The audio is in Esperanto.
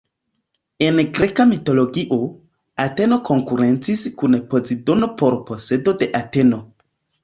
En Greka mitologio, Ateno konkurencis kun Pozidono por posedo de Ateno.